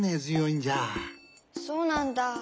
そうなんだ。